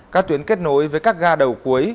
các tuyến kết nối với các ga đầu cuối